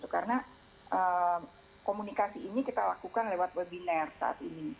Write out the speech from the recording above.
karena komunikasi ini kita lakukan lewat webinar saat ini